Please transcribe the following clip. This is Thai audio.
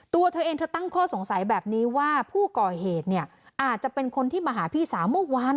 ตัวเธอเองเธอตั้งข้อสงสัยแบบนี้ว่าผู้ก่อเหตุเนี่ยอาจจะเป็นคนที่มาหาพี่สาวเมื่อวาน